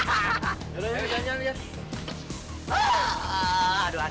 eh jangan banyak bicara jalan